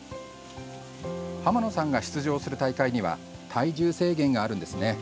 濱野さんが出場する大会には体重制限があるんですね。